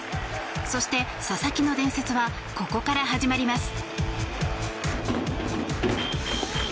そして、佐々木の伝説はここから始まります。